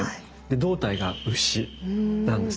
胴体が牛なんですね。